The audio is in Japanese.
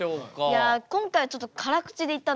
いや今回はちょっと辛口でいったんですけど。